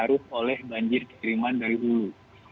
tapi juga terpengaruh oleh banjir kiriman dari hulu